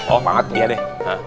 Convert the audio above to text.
oh banget iya deh